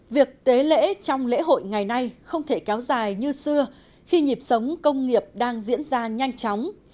việc tế lễ trong lễ hội ngày nay không thể kéo dài như xưa khi nhịp sống công nghiệp đang diễn ra nhanh chóng